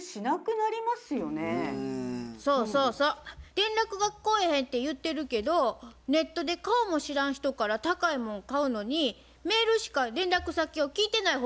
連絡が来えへんって言ってるけどネットで顔も知らん人から高いもん買うのにメールしか連絡先を聞いてない方が悪いんやと思います。